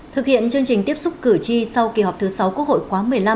thực hiện chương trình tiếp xúc cử tri sau kỳ họp thứ sáu quốc hội khóa một mươi năm